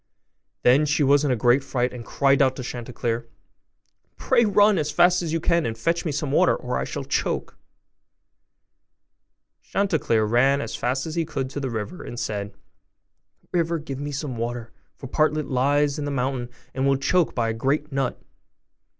Then she was in a great fright, and cried out to Chanticleer, 'Pray run as fast as you can, and fetch me some water, or I shall be choked.' Chanticleer ran as fast as he could to the river, and said, 'River, give me some water, for Partlet lies in the mountain, and will be choked by a great nut.